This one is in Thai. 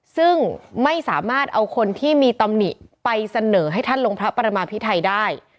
ซึ่งไม่สามารถเอาคนที่มีตำหนิไปเสนอให้ท่านลงพระประมาพิไทยได้